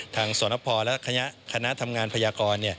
สนพและคณะทำงานพยากร